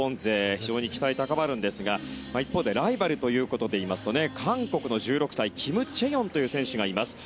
非常に期待が高まるんですが一方でライバルということで言いますと韓国の１６歳キム・チェヨンという選手がいます。